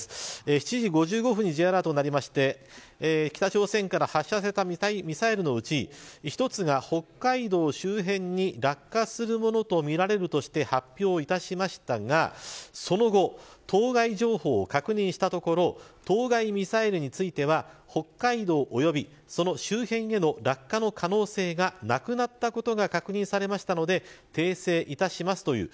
７時５５分にＪアラートが鳴って北朝鮮から発射されたミサイルのうち一つが北海道周辺に落下するものとみられるとして発表しましたがその後、当該情報を確認したところ当該ミサイルについては北海道及びその周辺への落下の可能性がなくなったことが確認されましたので訂正いたしますという。